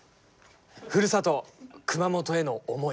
ふるさと・熊本への思い。